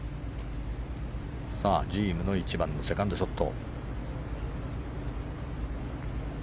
ジームの１番のセカンドショット。